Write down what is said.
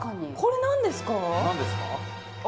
何ですか？